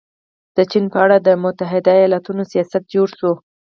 د چین په اړه د متحده ایالتونو سیاست جوړ شوی.